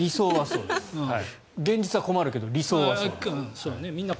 現実は困るけど理想はそうです。